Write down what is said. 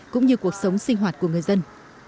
cũng như cuộc sống sinh hoạt của người dân